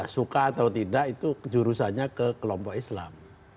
suka atau tidak itu jurusannya ke kelompok islam